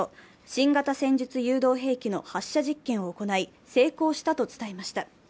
新型戦術誘導兵器の発射実験を行い、成功したと伝えました。